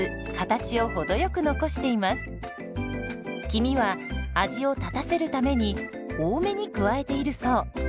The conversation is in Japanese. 黄身は味を立たせるために多めに加えているそう。